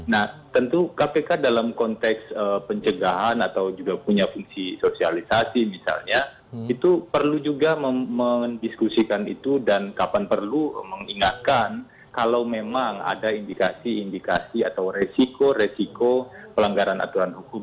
nah tentu kpk dalam konteks pencegahan atau juga punya fungsi sosialisasi misalnya itu perlu juga mendiskusikan itu dan kapan perlu mengingatkan kalau memang ada indikasi indikasi atau resiko resiko pelanggaran aturan hukum